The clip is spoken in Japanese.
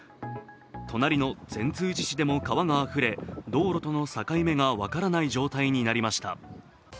隣の善通寺市でも川があふれ道路との境目が分からない状態になりました。